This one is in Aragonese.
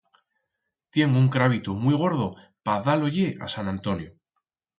Tiengo un crabito muit gordo pa dar-lo-ie a Sant Antonio.